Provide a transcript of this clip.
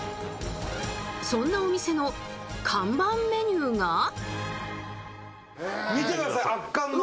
そんなお店の看板メニューが。